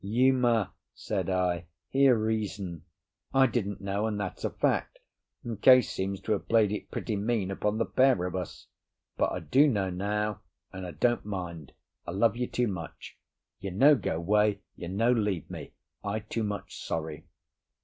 "Uma," said I, "hear reason. I didn't know, and that's a fact; and Case seems to have played it pretty mean upon the pair of us. But I do know now, and I don't mind; I love you too much. You no go 'way, you no leave me, I too much sorry."